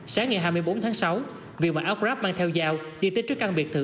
sáng ngày hai mươi bốn tháng sáu việc mặc áo grab mang theo dao đi tới trước căn biệt thự